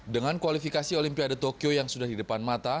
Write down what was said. dengan kualifikasi olimpiade tokyo yang sudah di depan mata